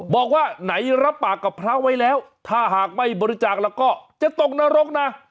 บอกว่าไหนรับปากกับพระไว้แล้วถ้าหากไม่บริจาคแล้วก็จะตกนรกนะ